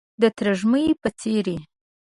د ترږمۍ په څیرې،